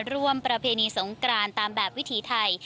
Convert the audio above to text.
ประเพณีสงกรานตามแบบวิถีไทย